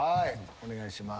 お願いします。